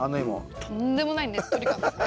とんでもないねっとり感ですね。